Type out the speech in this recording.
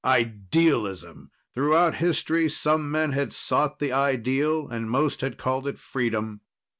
Idealism! Throughout history, some men had sought the ideal, and most had called it freedom.